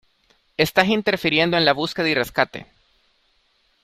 ¡ Estás interfiriendo en la búsqueda y rescate!